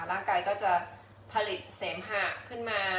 ร่างกายก็จะผลิตเสมหะขึ้นมา